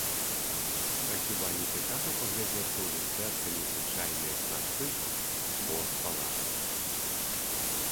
А хіба нецікава паглядзецца ў люстэрка незвычайнае красы, бо з палацу.